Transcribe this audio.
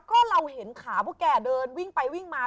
ก็เราเห็นขาพวกแกเดินวิ่งไปวิ่งมา